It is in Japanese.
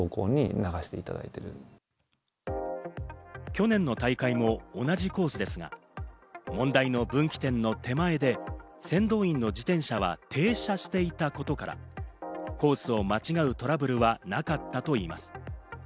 去年の大会も同じコースですが、問題の分岐点の手前で先導員の自転車は停車していたことから、コースを間違うトラブルはなかったといいます。